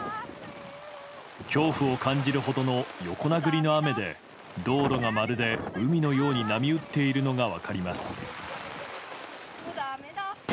恐怖を感じるほどの横殴りの雨で道路がまるで海のように波打っているのが分かります。